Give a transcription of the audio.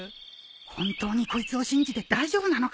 本当にこいつを信じて大丈夫なのか？